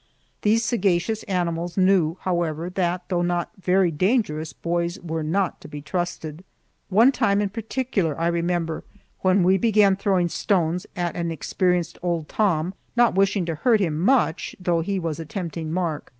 These sagacious animals knew, however, that, though not very dangerous, boys were not to be trusted. One time in particular I remember, when we began throwing stones at an experienced old Tom, not wishing to hurt him much, though he was a tempting mark.